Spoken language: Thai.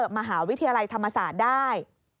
มหาวิทยาลัยธรรมศาสตร์ได้